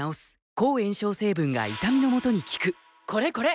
抗炎症成分が痛みのもとに効くこれこれ！